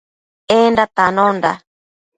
Enda tanonda